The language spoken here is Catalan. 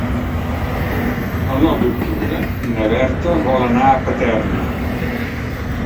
El nou d'octubre na Berta vol anar a Paterna.